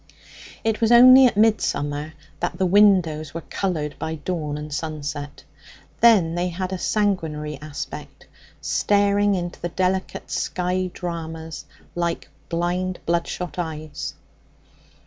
It was only at midsummer that the windows were coloured by dawn and sunset; then they had a sanguinary aspect, staring into the delicate skyey dramas like blind, bloodshot eyes.